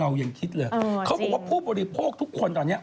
ยังคิดเลยเขาบอกว่าผู้บริโภคทุกคนตอนนี้